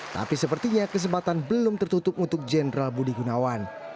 tapi sepertinya kesempatan belum tertutup untuk jenderal budi gunawan